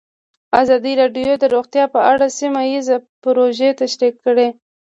ازادي راډیو د روغتیا په اړه سیمه ییزې پروژې تشریح کړې.